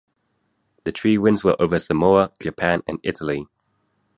The three wins were over Samoa, Japan and Italy.